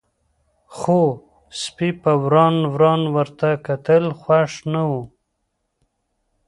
خو سپي په وران وران ورته کتل، خوښ نه و.